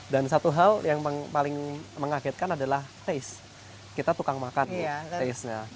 dan satu hal yang paling mengagetkan adalah taste kita tukang makan nih tastenya